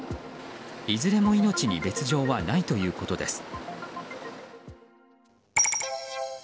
いずれも命に別条はないということです。